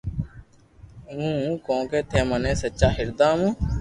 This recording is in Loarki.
آوہ ھون ڪونڪھ ٿي مني سچا ھردا مون